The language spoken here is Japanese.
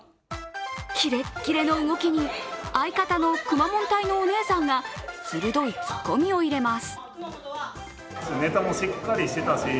キレッキレの動きに、相方のくまモン隊のお姉さんが鋭いツッコミを入れます。